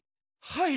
はい！